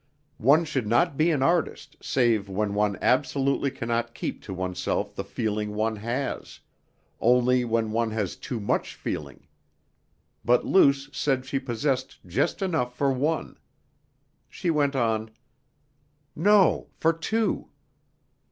One should not be an artist save when one absolutely cannot keep to oneself the feeling one has only when one has too much feeling. But Luce said she possessed just enough for one. She went on: "No, for two."